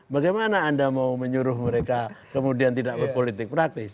bagaimana anda mau menyuruh mereka kemudian tidak berpolitik praktis